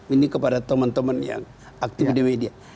ini kepada teman teman yang aktif di media